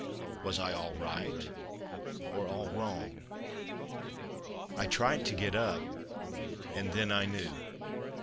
Was I all right or all wrong? I tried to get up, and then I knew.